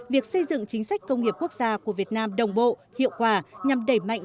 việc phát triển công nghiệp của việt nam đến thời điểm hiện nay cũng phải là một lý do